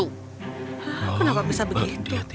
hah kenapa bisa begitu